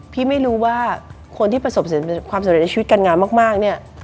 พี่ไม่รู้ว่าคนที่ประสบความสำเร็จในชีวิตการงานมากเนี่ย